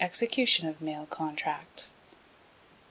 Execution of Mail Contracts. 7.